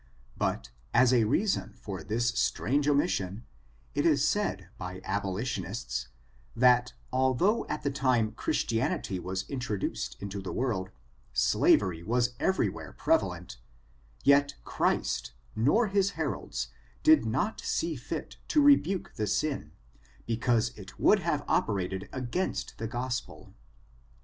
But, as a reason for this strange omis sion, it is said, by abolitionists, that, although at the time Christianity was introduced into the world, slavery was every where prevalent, yet Christ, nor his heralds, did not see fit to rebuke the sin, because it would have operated against the Gospel.